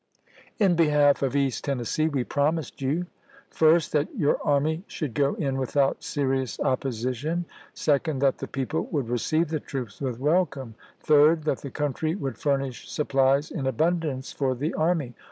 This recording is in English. In behalf of East Tennessee we promised you : first, that your army should go in without serious opposition ; second, that the people would receive the troops with welcome ; third, that the country would furnish suppUes in abundance for the army.